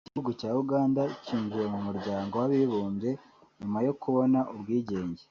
Igihugu cya Uganda kinjiye mu muryango w’abibumbye nyuma yo kubona ubwigenge